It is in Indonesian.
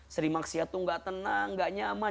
seri maksiat itu tidak tenang tidak nyaman